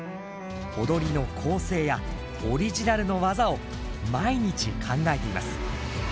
踊りの構成やオリジナルの技を毎日考えています。